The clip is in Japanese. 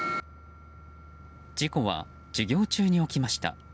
事故は授業中に起きました。